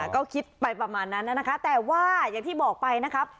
ก็คิดไปประมาณนั้นนะคะแต่ว่าอย่างที่บอกไปนะครับ